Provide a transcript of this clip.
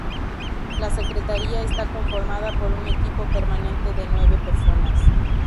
La secretaría está conformada por un equipo permanente de nueve personas.